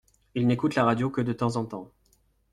Ils n’écoutent la radio que de temps en temps.